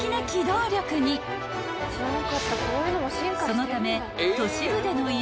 ［そのため］